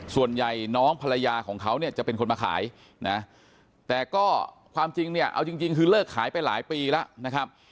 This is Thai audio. ส่วนใหญ่น้องภรรยาของเขาเนี่ยจะเป็นคนมาขายนะแต่ก็ความจริงเนี่ยเอาจริงคือเลิกขายไปหลายปีแล้วนะครับ